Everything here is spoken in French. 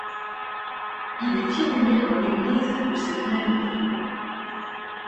Il est inhumé dans l'église de cette même ville.